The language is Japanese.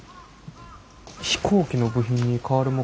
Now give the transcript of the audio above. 飛行機の部品に代わる目標？